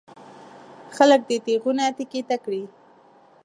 خلک دې تېغونه تېکې ته کړي.